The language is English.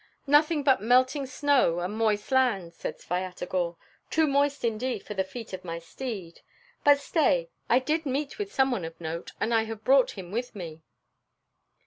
"Nothing but melting snow and moist land," said Svyatogor, "too moist indeed for the feet of my steed. But stay, I did meet with some one of note, and I have brought him with me."